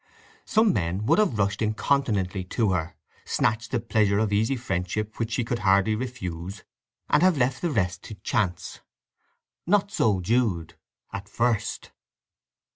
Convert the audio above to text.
Some men would have rushed incontinently to her, snatched the pleasure of easy friendship which she could hardly refuse, and have left the rest to chance. Not so Jude—at first.